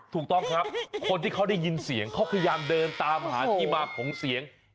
ถูกต้องครับคนที่เขาได้ยินเสียงเขาพยายามเดินตามหาที่มาของเสียง